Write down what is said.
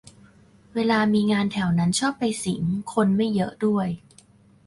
เวลามีงานแถวนั้นชอบไปสิง คนไม่เยอะด้วย